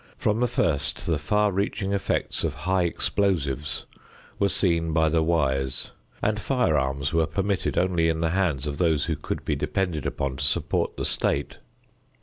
From the first, the far reaching effects of high explosives were seen by the wise, and firearms were permitted only in the hands of those who could be depended upon to support the state.